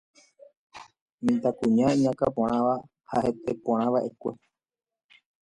Mitãkuña iñakãporã ha heteporãva'ekue.